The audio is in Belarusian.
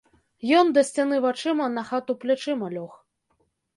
Ён да сцяны вачыма, на хату плячыма лёг.